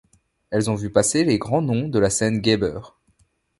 Elles ont vu passer les grands noms de la scène gabber.